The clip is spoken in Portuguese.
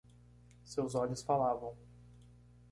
Seus olhos falavam.